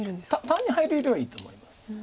単に入るよりはいいと思います。